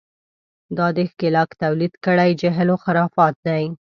دا د ښکېلاک تولید کړی جهل و خرافات دي.